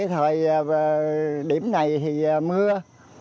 thời điểm này thì mưa